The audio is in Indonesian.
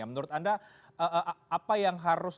menurut anda apa yang harus